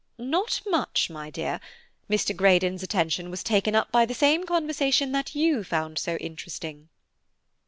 "Not much, my dear; Mr. Greydon's attention was taken up by the same conversation that you found so interesting."